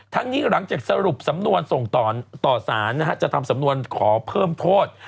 นี้หลังจากสรุปสำนวนส่งต่อสารจะทำสำนวนขอเพิ่มโทษ